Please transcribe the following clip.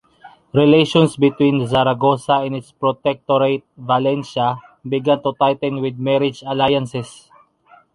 Relations between Zaragoza and its protectorate, València, began to tighten with marriage alliances.